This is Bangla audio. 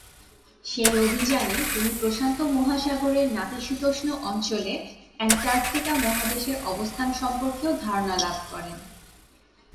সেই অভিযানে তিনি প্রশান্ত মহাসাগরের নাতিশীতোষ্ণ অঞ্চলে অ্যান্টার্কটিকা মহাদেশের অবস্থান সম্পর্কেও ধারণা লাভ করেন।